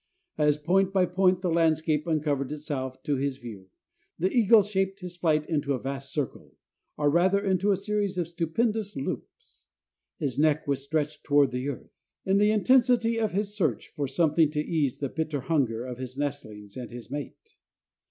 As point by point the landscape uncovered itself to his view, the eagle shaped his flight into a vast circle, or rather into a series of stupendous loops. His neck was stretched toward the earth, in the intensity of his search for something to ease the bitter hunger of his nestlings and his mate.